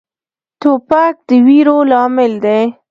توپک د ویرو لامل دی.